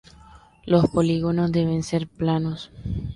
Los polígonos deben ser planos.